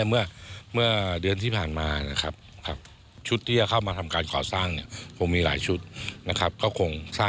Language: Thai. และดูมีอะไรก็จะเริ่มถึงอันที่ส์แอบนึงแหละ